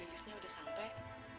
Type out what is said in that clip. lelisnya udah sampai